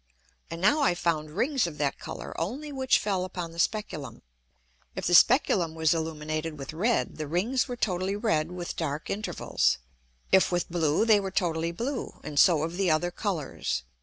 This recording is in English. And now I found Rings of that Colour only which fell upon the Speculum. If the Speculum was illuminated with red, the Rings were totally red with dark Intervals, if with blue they were totally blue, and so of the other Colours.